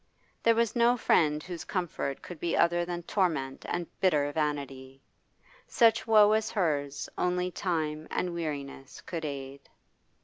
There was no friend whose comfort could be other than torment and bitter vanity; such woe as hers only time and weariness could aid.